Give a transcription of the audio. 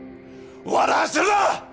笑わせるな！